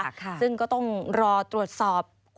สวัสดีค่ะสวัสดีค่ะ